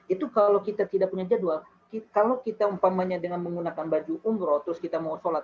itu kalau kita tidak punya jadwal kalau kita umpamanya dengan menggunakan baju umroh terus kita mau sholat